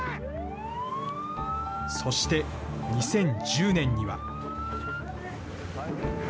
そして２０１０年には。